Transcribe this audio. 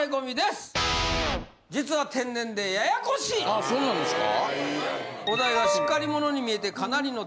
あそうなんですか？